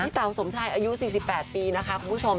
เต๋าสมชายอายุ๔๘ปีนะคะคุณผู้ชม